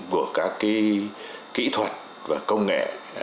của các kỹ thuật và công nghệ